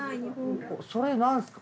それ何すか？